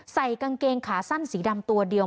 ใส่กางเกงขาสั้นสีดำตัวเดียว